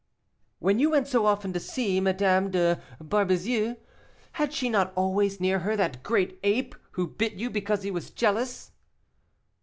"When you went so often to see Madame de Barbezieux, had she not always near her that great ape who bit you because he was jealous?"